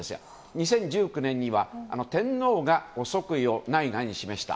２０１９年には天皇がご即位を内外に示した。